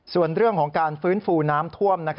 ส่วนเรื่องของการฟื้นฟูน้ำท่วม